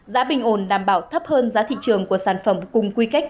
giá bình ổn đảm bảo thấp hơn giá thị trường của sản phẩm cùng quy kết